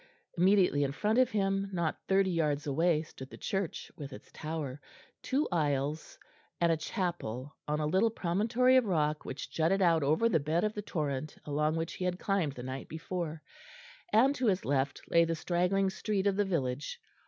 Immediately in front of him, not thirty yards away, stood the church, with its tower, two aisles, and a chapel on a little promontory of rock which jutted out over the bed of the torrent along which he had climbed the night before; and to his left lay the straggling street of the village.